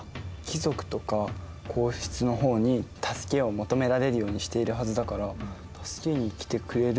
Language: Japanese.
貴族とか皇室の方に助けを求められるようにしているはずだから助けに来てくれるんじゃないかな？